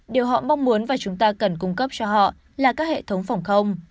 điều họ mong muốn và chúng ta cần cung cấp cho họ là các hệ thống phòng không